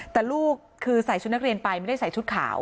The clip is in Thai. แต่ลูกคือใส่ชุดนักเรียนไปไม่ได้ใส่ชุดขาว